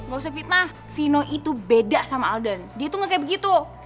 gak usah fitnah vino itu beda sama alden dia tuh gak kayak begitu